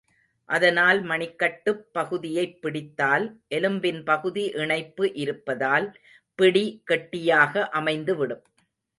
அதனால் மணிக்கட்டுப் பகுதியைப் பிடித்தால் எலும்பின் பகுதி இணைப்பு இருப்பதால், பிடி கெட்டியாக அமைந்துவிடும்.